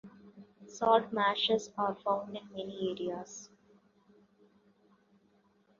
Salt marshes are found in many areas.